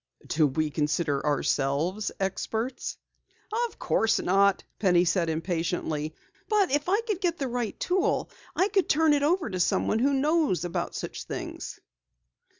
"Do we consider ourselves experts?" "Of course not," Penny said impatiently. "But if I could get the right tool, I could turn it over to someone who knows about such things."